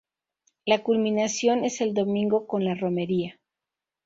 La culminación es el domingo con la romería.